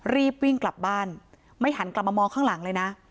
รีบวิ่งกลับบ้านไม่หันกลับมามองข้างหลังเลยนะ